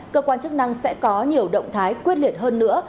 cơ quan chức năng sẽ có nhiều động thái quyết liệt hơn nữa